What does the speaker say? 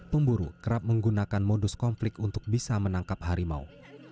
pemburu kerap menggunakan modus konflik untuk bisa menangkap harimau